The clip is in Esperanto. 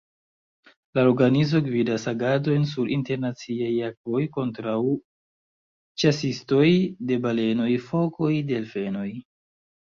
La organizo gvidas agadojn sur internaciaj akvoj kontraŭ ĉasistoj de balenoj, fokoj, delfenoj.